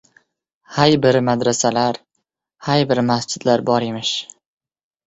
«Hay bir madrasalar, hay bir machitlar bor emish».